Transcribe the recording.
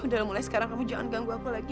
udah mulai sekarang kamu jangan ganggu aku lagi